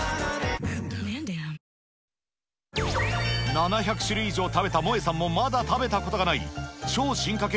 ７００種類以上を食べたモエさんもまだ食べたことがない、超進化系